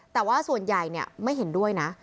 แต่ว่าส่วนใหญ่ไม่เห็นด้วยนะ